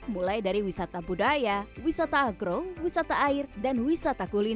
mulai dari wisata budaya wisata agrong wisata air dan wisata kuliner